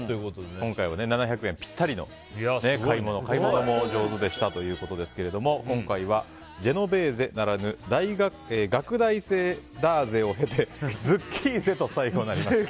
今回は７００円ピッタリで買い物も上手でしたということですが今回は、ジェノベーゼならぬ学大生ダーゼを経てズッキーゼと最後、なりました。